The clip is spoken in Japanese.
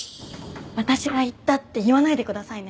私が言ったって言わないでくださいね。